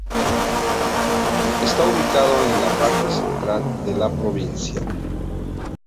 Está ubicado en la parte central de la provincia.